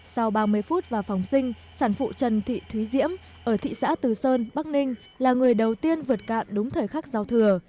sau ba mươi phút vào phòng sinh sản phụ trần thị thúy diễm ở thị xã từ sơn bắc ninh là người đầu tiên vượt cạn đúng thời khắc giao thừa